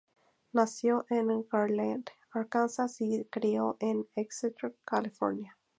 Nació en Garland, Arkansas y se crio en Exeter, California.